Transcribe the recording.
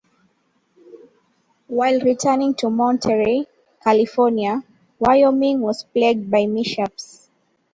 While returning to Monterey, California, "Wyoming" was plagued by mishaps.